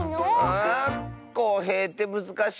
あこうへいってむずかしいッス。